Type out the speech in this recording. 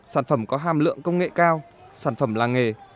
sản phẩm có hàm lượng công nghệ cao sản phẩm làng nghề